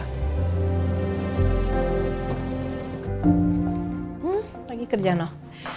hmm lagi kerja noh